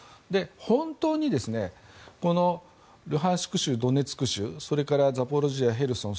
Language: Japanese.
本当にルハンシク州、ドネツク州それからザポリージャ、ヘルソン